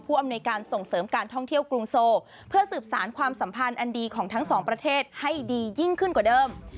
อำนวยการส่งเสริมการท่องเที่ยวกรุงโซเพื่อสืบสารความสัมพันธ์อันดีของทั้งสองประเทศให้ดียิ่งขึ้นกว่าเดิม